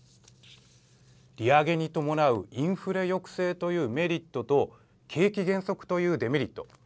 利上げに伴うインフレ抑制というメリットと景気減速というデメリット。